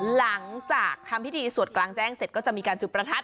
หลังจากทำพิธีสวดกลางแจ้งเสร็จก็จะมีการจุดประทัด